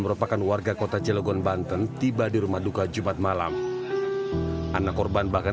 merupakan warga kota cilegon banten tiba di rumah duka jumat malam anak korban bahkan